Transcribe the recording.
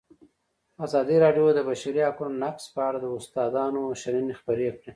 ازادي راډیو د د بشري حقونو نقض په اړه د استادانو شننې خپرې کړي.